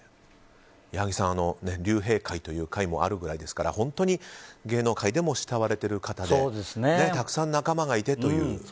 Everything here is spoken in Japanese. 矢作さん、竜兵会という会もあるくらいですから本当に芸能界でも慕われてる方でたくさん仲間がいてという。